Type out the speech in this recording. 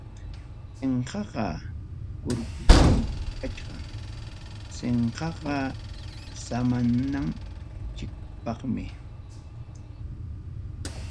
Sinqaqa kurkupim kachkan, sinqaqa samananchikpaqmi.